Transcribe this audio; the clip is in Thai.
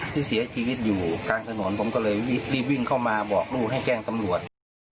ที่เสียชีวิตอยู่กลางถนนผมก็เลยรีบวิ่งเข้ามาบอกลูกให้แจ้งตำรวจ